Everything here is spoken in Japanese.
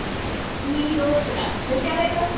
ういろうとか召し上がります？